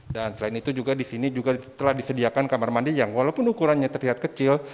selain itu juga di sini juga telah disediakan kamar mandi yang walaupun ukurannya terlihat kecil